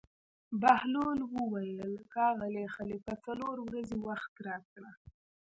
بهلول وویل: ښاغلی خلیفه څلور ورځې وخت راکړه.